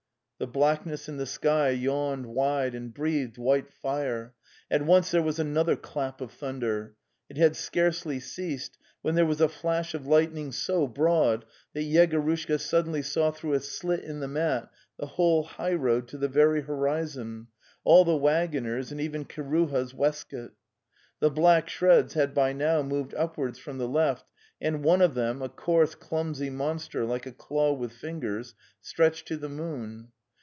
The blackness in the sky yawned wide and breathed white fire. At once there was another clap of thunder. It had scarcely ceased when there was a flash of lightning so broad that Yegorushka suddenly saw through a slit in the mat the whole highroad to the very horizon, all the waggoners and even Ki ruha's waistcoat. The black shreds had by now moved upwards from the left, and one of them, a coarse, clumsy monster like a claw with fingers, stretched to the moon.